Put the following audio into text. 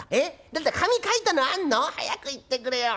何だ紙書いたのあんの？早く言ってくれよ。